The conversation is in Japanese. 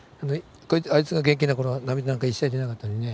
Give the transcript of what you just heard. あいつが元気な頃は涙なんか一切出なかったのにね。